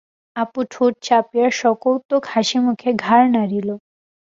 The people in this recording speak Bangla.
অপু ঠোঁট চাপিয়া সকৌতুক হাসিমুখে ঘাড় নাড়িল।